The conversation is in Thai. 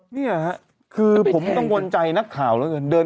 เนี่ยคือผมต้องวนใจนักข่าวแล้วเงิน